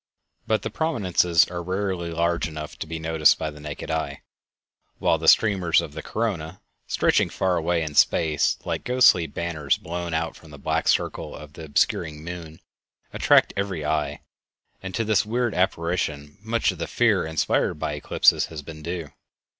But the prominences are rarely large enough to be noticed by the naked eye, while the streamers of the corona, stretching far away in space, like ghostly banners blown out from the black circle of the obscuring moon, attract every eye, and to this weird apparition much of the fear inspired by eclipses has been due.